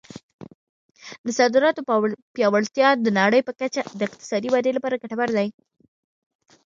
د صادراتو پیاوړتیا د نړۍ په کچه د اقتصادي ودې لپاره ګټور دی.